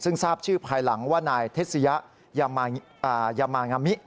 ซึ่งทราบชื่อภายหลังว่านายเทศยะยามางามิ